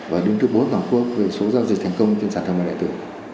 và đứng thứ bốn toàn quốc về số giao dịch thành công trên sàn thương mại nạn tử